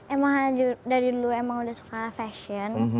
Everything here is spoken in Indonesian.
emang dari dulu emang udah suka fashion